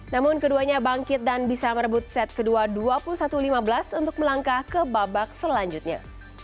namun keduanya bangkit dan bisa merebut set kedua dua puluh satu lima belas untuk melangkah ke babak selanjutnya